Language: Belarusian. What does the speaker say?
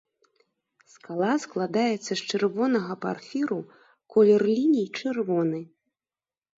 Скала складаецца з чырвонага парфіру, колер ліній чырвоны.